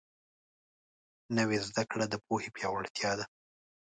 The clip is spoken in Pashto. نوې زده کړه د پوهې پیاوړتیا ده